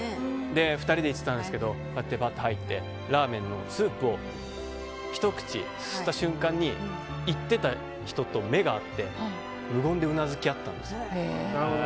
２人で言っていたんですがここに入ってラーメンのスープをひと口すすった瞬間に行ってた人と目が合って無言でうなずき合ったんですよ。